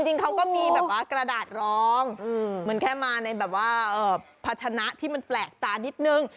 จริงเขาก็มีแบบว่ากระดาษรองเหมือนแค่มาในแบบว่าพัชนะที่มันแปลกตานิดนึง